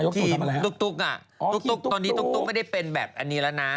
ทีมตุ๊กตอนนี้ตุ๊กไม่ได้เป็นแบบอันนี้แล้วนะ